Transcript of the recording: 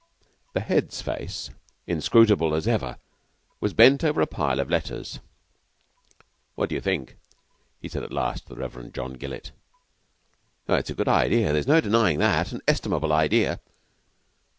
The Head's face, inscrutable as ever, was bent over a pile of letters. "What do you think?" he said at last to the Reverend John Gillett. "It's a good idea. There's no denying that an estimable idea."